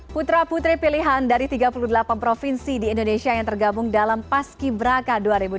putra putri pilihan dari tiga puluh delapan provinsi di indonesia yang tergabung dalam paski braka dua ribu dua puluh